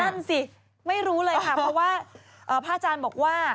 นั่นสิไม่รู้เลยค่ะเพราะว่าพระอาจารย์บอกว่า